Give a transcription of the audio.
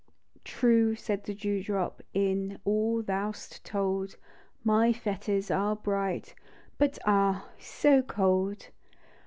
" True," said the dew drop, " Is all thou 'st told, My fetters are bright — But ah, so cold